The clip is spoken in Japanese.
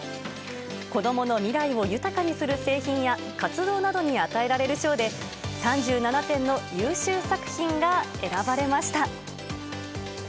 子供の未来を豊かにする製品や活動などに与えられる賞で３７点の優秀作品が選ばれました。